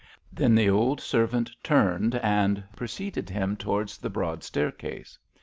Then the old servant turned and preceded him towards the broad staircase.